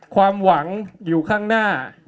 ความหวังอยู่ข้างหน้า